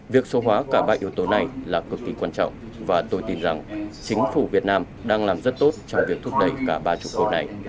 việc số hóa cả ba yếu tố này là cực kỳ quan trọng và tôi tin rằng chính phủ việt nam đang làm rất tốt trong việc thúc đẩy cả ba trụ cột này